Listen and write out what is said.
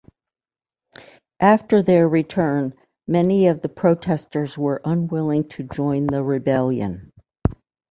After their return, many of the protesters were unwilling to join the rebellion.